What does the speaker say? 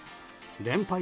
連敗